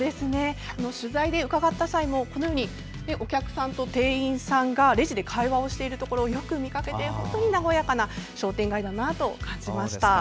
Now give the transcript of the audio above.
取材で伺った際もお客さんと店員さんがレジで会話をしているところをよく見かけて和やかな商店街だなと感じました。